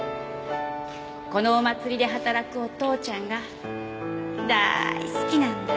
このお祭りで働くお父ちゃんがだーい好きなんだ。